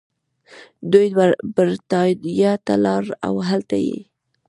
دوي برطانيه ته لاړل او هلتۀ ئې